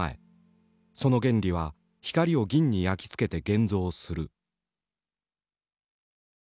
その原理は光を銀に焼き付けて現像する。